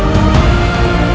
ibu nara subanglarang